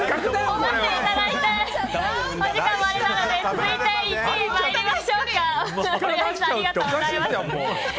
続いて、１位参りましょうか。